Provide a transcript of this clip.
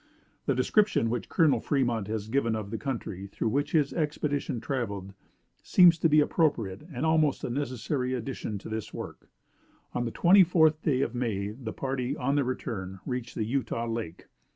The description which Colonel Fremont has given of the country through which this expedition traveled, seems to be an appropriate and almost a necessary addition to this work. On the 24th day of May the party, on their return, reached the Utah Lake.